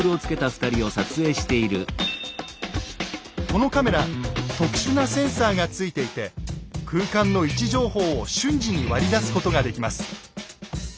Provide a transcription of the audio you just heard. このカメラ特殊なセンサーがついていて空間の位置情報を瞬時に割り出すことができます。